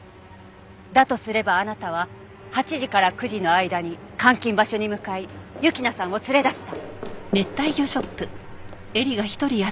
だとすればあなたは８時から９時の間に監禁場所に向かい雪菜さんを連れ出した。